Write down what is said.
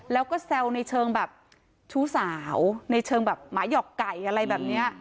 แล้วก็แซวในเชิงแบบชู้สาวในเชิงแบบหมาหยอกไก่อะไรแบบนี้